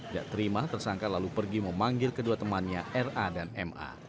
ia terima tersangka lalu pergi memanggil kedua temannya r a dan m a